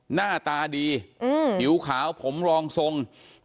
หน้าตาดีผิวขาวผมรองทรง